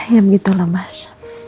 ya begitu lah mas